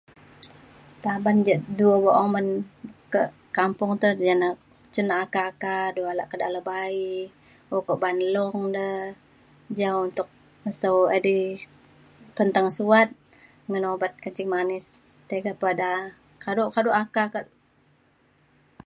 taban jek du obak oman ke' kampung te jane cen akar akar du alak ke' dale ba'ie uku ba'an long de ja untuk mesau edei penteng suat ngan obat kencing manis tega pe da kaduk kaduk akar ke'.